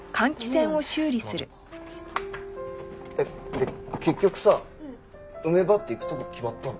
で結局さ梅ばあって行くとこ決まったの？